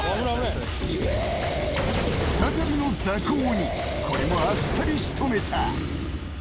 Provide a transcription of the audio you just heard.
再びのザコ鬼、これもあっさりしとめた。